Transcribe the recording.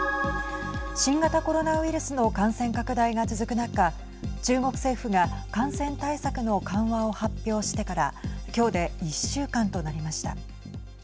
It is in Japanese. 新型コロナウイルスの感染拡大が続く中中国政府が感染対策の緩和を発表してから今日で１週間となりました。